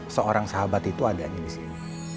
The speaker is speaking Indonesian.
seorang sahabat itu adanya di sini